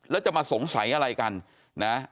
แล้วจะมาสงสัยอะไรกันนะ